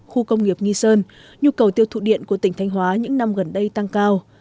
khu công nghiệp nghi sơn nhu cầu tiêu thụ điện của tỉnh thanh hóa những năm gần đây tăng cao